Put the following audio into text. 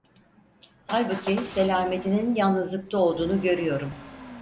Halbuki selametinin yalnızlıkta olduğunu görüyorum.